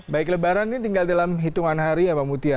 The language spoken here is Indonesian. baik lebaran ini tinggal dalam hitungan hari ya pak mutia